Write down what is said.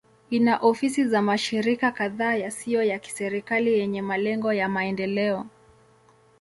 Ina ofisi za mashirika kadhaa yasiyo ya kiserikali yenye malengo ya maendeleo.